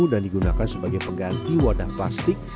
dan digunakan sebagai pengganti wadah plastik